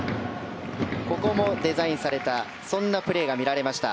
ここもデザインされたそんなプレーが見られました。